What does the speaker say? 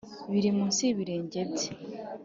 Biri munsi y’ibirenge bye .